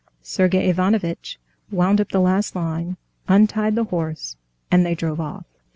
Sergey Ivanovitch wound up the last line, untied the horse, and they drove off.